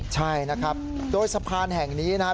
ใช่นะครับโดยสะพานแห่งนี้นะครับ